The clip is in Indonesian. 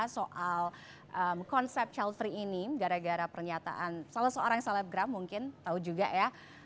soal konsep childfree ini gara gara pernyataan salah seorang selebgram mungkin tau juga ya